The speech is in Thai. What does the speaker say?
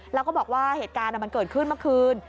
แล้วก็บอกว่าเหตุการณ์มันเกิดขึ้นเมื่อคืน